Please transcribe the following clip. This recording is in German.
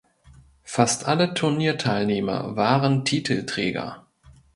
Fast alle Turnierteilnehmer waren Titelträger.